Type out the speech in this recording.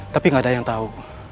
tapi gak ada yang tahu